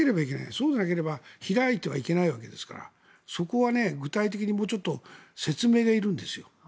そうでなければ開いてはいけないわけですからそこは具体的にもうちょっと説明がいるんですよ。